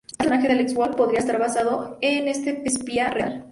Así, el personaje de Alex Wolff podría estar basado en este espía real.